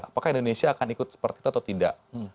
apakah indonesia akan ikut seperti itu atau tidak